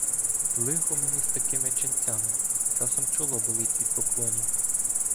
— Лихо мені з такими ченцями! Часом чоло болить від поклонів.